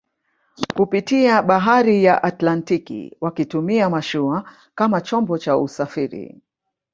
kupitia bahari ya Atlantiki wakitumia mashua kama chombo cha usafiri